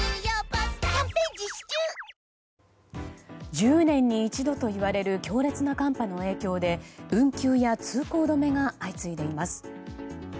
１０年に一度といわれる強烈な寒波の影響で運休や通行止めが相次いでいます。